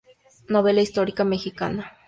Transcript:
Novela histórica mexicana".